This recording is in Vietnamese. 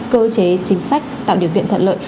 cơ chế chính sách tạo điều kiện thuận lợi